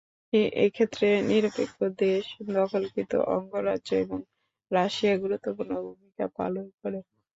এক্ষেত্রে নিরপেক্ষ দেশ, দখলকৃত অঙ্গরাজ্য এবং রাশিয়া গুরুত্বপূর্ণ ভূমিকা পালন করে।